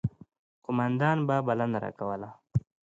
قوماندان به بلنه راکوله.